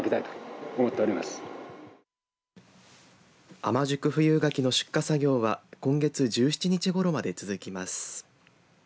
甘熟富有柿の出荷作業は今月１７日ごろまで続きます。